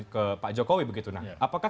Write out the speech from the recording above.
ke pak jokowi begitu nah apakah